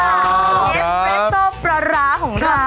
เชฟเรสโซปลาร้าของเรา